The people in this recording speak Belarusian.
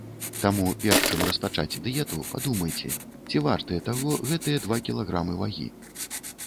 Таму, перш, чым распачаць дыету, падумайце, ці вартыя таго гэтыя два кілаграмы вагі.